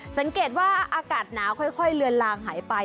สังเกตว่าอากาศหนาวค่อยเลือนลางหายไป